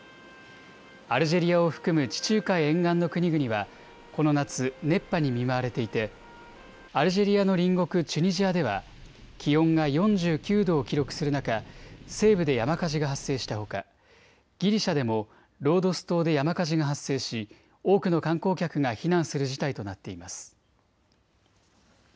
アルジェリアを含む地中海沿岸の国々はこの夏、熱波に見舞われていてアルジェリアの隣国チュニジアでは気温が４９度を記録する中、西部で山火事が発生したほかギリシャでもロードス島で山火事が発生し、多くの観光客が避難する事態となっています。